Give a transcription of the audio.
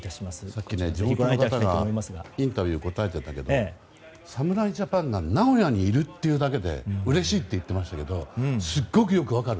さっき地元の方がインタビューに答えていたけど侍ジャパンが名古屋にいるというだけでうれしいと言ってましたけどすごくよく分かる。